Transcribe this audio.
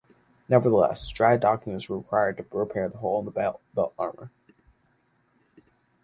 Nevertheless, dry-docking was required to repair the hole in the belt armor.